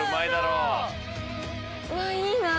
うわいいなぁ。